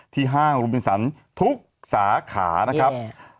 ห้างโรบินสันทุกสาขานะครับ